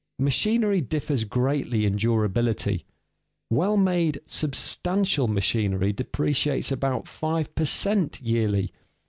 Machinery differs greatly in durability; well made, substantial machinery depreciates about five per cent. yearly.